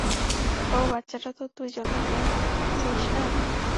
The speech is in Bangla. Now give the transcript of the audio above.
বাবু, বাচ্চাটা তো তুই জন্ম দিয়েছিস, না?